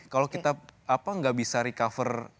kalau kita apa gak bisa recover mentalnya